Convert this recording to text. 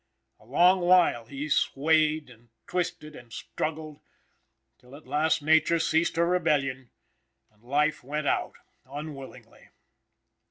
A long while he swayed and twisted and struggled, till at last nature ceased her rebellion and life went out unwillingly.